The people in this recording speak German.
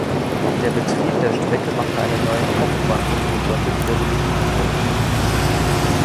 Der Betrieb der Strecke machte einen neuen Kopfbahnhof notwendig, der sie bedienen sollte.